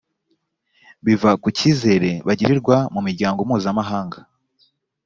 biva ku cyizere bagirirwa mu miryango mpuzamahanga